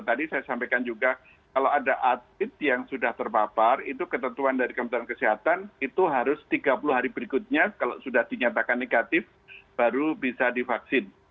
tadi saya sampaikan juga kalau ada atlet yang sudah terpapar itu ketentuan dari kementerian kesehatan itu harus tiga puluh hari berikutnya kalau sudah dinyatakan negatif baru bisa divaksin